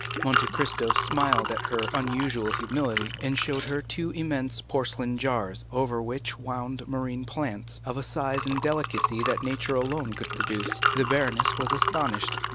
Monte Cristo smiled at her unusual humility, and showed her two immense porcelain jars, over which wound marine plants, of a size and delicacy that nature alone could produce. The baroness was astonished.